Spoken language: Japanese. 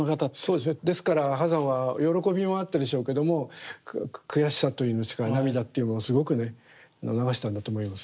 そうですねですから波山は喜びもあったでしょうけども悔しさというんですか涙っていうものすごくね流したんだと思います。